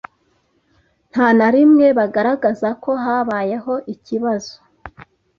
nta na rimwe bagaragaza ko habayeho ikibazo.